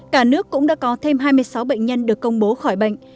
cả nước cũng đã có thêm hai mươi sáu bệnh nhân được công bố khỏi bệnh